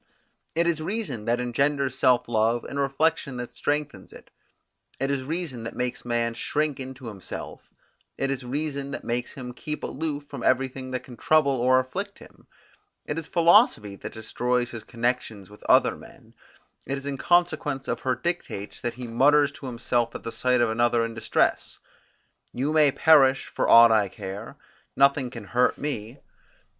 It is reason that engenders self love, and reflection that strengthens it; it is reason that makes man shrink into himself; it is reason that makes him keep aloof from everything that can trouble or afflict him: it is philosophy that destroys his connections with other men; it is in consequence of her dictates that he mutters to himself at the sight of another in distress, You may perish for aught I care, nothing can hurt me.